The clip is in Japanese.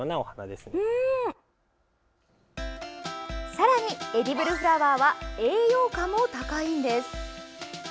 さらにエディブルフラワーは栄養価も高いんです。